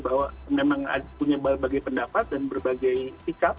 bahwa memang punya berbagai pendapat dan berbagai sikap